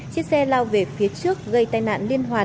chiếc xe lao về phía trước gây tai nạn liên hoàn